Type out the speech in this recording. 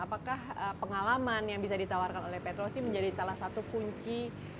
apakah pengalaman yang bisa ditawarkan oleh petrosi menjadi salah satu kunci